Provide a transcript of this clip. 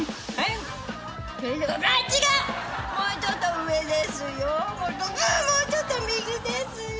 もうちょっと右ですよ。